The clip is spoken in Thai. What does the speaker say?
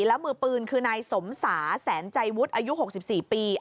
แล้วมือปืนคือนายสมสาแสนใจวุฒิอายุ๖๔ปี